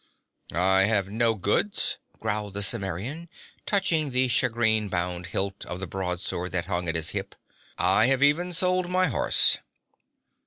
'I have no goods,' growled the Cimmerian, touching the shagreen bound hilt of the broadsword that hung at his hip. 'I have even sold my horse.'